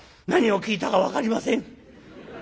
「何を聞いたか分かりません。